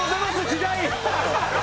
時代。